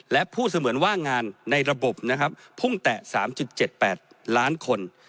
และผู้เสมือนว่างงานในระบบนะครับพุ่งแตะ๓๗๘ล้านคน